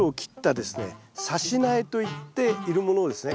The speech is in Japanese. さし苗といっているものをですね